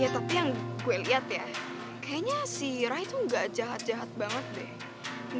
ya tapi yang gue liat ya kayaknya si raya tuh gak jahat jahat banget deh